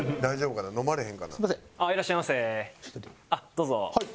どうぞ。